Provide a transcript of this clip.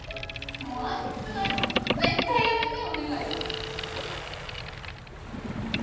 もうあんな危ない事絶対やめてお願いだから。